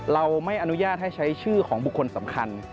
เราไม่อนุญาตให้ใช้ชื่อของบุคคลสำคัญ